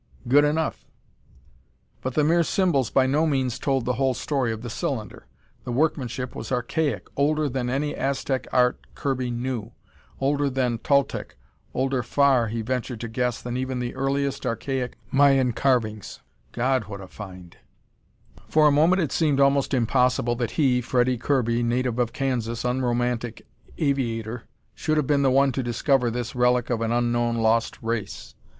Good enough. But the mere symbols by no means told the whole story of the cylinder. The workmanship was archaic, older than any Aztec art Kirby knew, older than Toltec, older far, he ventured to guess, than even earliest archaic Mayan carvings. God, what a find! For a moment it seemed almost impossible that he, Freddie Kirby, native of Kansas, unromantic aviator, should have been the one to discover this relic of an unknown, lost race.